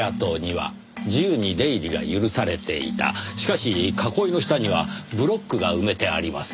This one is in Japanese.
しかし囲いの下にはブロックが埋めてあります。